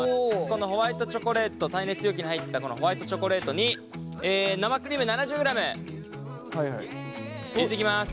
このホワイトチョコレート耐熱容器に入ったこのホワイトチョコレートに生クリーム７０ｇ入れていきます。